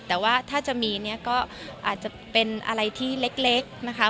แต่ว่าถ้าจะมีเนี่ยก็อาจจะเป็นอะไรที่เล็กนะคะ